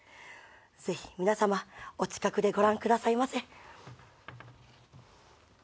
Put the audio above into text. ぜひ皆さまお近くでご覧くださいませ。